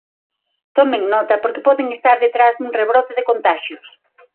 Tomen nota, porque poden estar detrás dun rebrote de contaxios.